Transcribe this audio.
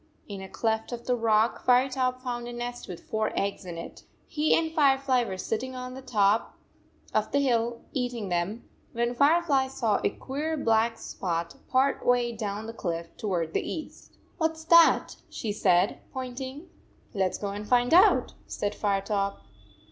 In a cleft of the rock Firetop found a nest with four eggs in it. He and Firefly were sitting on top of the hill eat ing them, when Firefly saw a queer black spot part way down the cliff, toward the east. "What s that?" she said, pointing. 11 Let s go and find out," said Firetop.